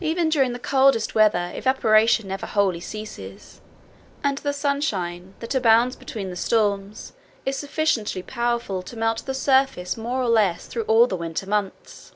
Even during the coldest weather evaporation never wholly ceases, and the sunshine that abounds between the storms is sufficiently powerful to melt the surface more or less through all the winter months.